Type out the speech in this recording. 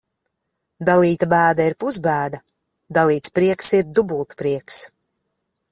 Dalīta bēda ir pusbēda, dalīts prieks ir dubultprieks.